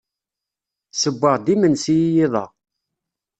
Ssewweɣ-d imensi i yiḍ-a.